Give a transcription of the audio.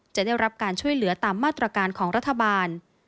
จะได้รับการช่วยเหลือตามมาตรการของรัฐบาล